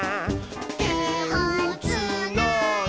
「てをつないで」